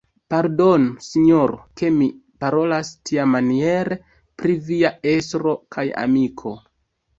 Pardonu, sinjoro, ke mi parolas tiamaniere pri via estro kaj amiko.